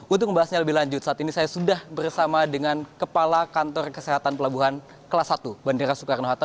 untuk membahasnya lebih lanjut saat ini saya sudah bersama dengan kepala kantor kesehatan pelabuhan kelas satu bandara soekarno hatta